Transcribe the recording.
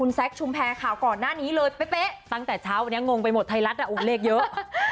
แล้วจะอุดเล็กเยอะ